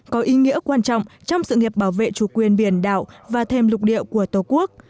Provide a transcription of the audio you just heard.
có ý nghĩa quan trọng trong sự nghiệp bảo vệ chủ quyền biển đảo và thêm lục địa của tổ quốc